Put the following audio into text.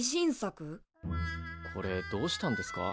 これどうしたんですか？